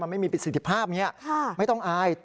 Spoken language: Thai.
มันไม่มีผิดสิทธิภาพไม่ต้องอาย